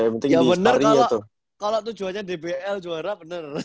kalau bener kalo tujuannya dbl juara bener